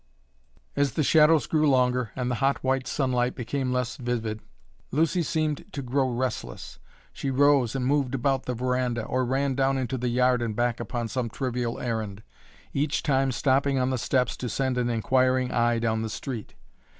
As the shadows grew longer and the hot white sunlight became less vivid, Lucy seemed to grow restless. She rose and moved about the veranda, or ran down into the yard and back upon some trivial errand, each time stopping on the steps to send an inquiring eye down the street.